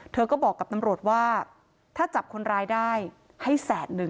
เธอก็บอกกับตำรวจว่าถ้าจับคนร้ายได้ให้แสนนึง